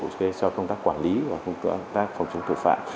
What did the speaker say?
cho công tác quản lý và công tác phòng chống tội phạm